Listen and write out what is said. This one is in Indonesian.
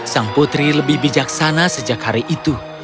sang putri lebih bijaksana sejak hari itu